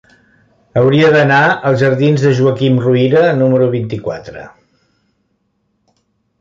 Hauria d'anar als jardins de Joaquim Ruyra número vint-i-quatre.